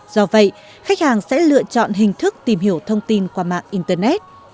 do vậy khách hàng sẽ lựa chọn hình thức tìm hiểu thông tin qua mạng internet